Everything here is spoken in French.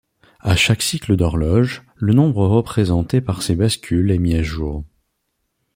À chaque cycle d'horloge, le nombre représenté par ces bascules est mis à jour.